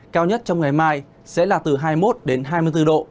cao nhất trong ngày mai sẽ là từ hai mươi một đến hai mươi bốn độ